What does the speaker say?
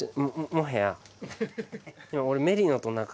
俺。